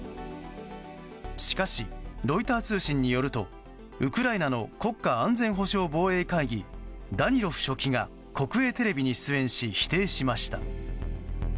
しかし、ロイター通信によるとウクライナの国家安全保障防衛会議ダニロフ書記が国営テレビに出演し、否定しました。